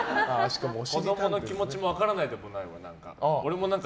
子供の気持ちも分からないでもないもん。